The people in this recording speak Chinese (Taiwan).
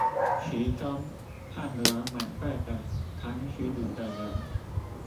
其中汗流滿背地扛行李的人